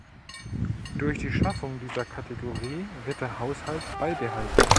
Durch die Schaffung dieser Kategorie wird der Haushalt beibehalten.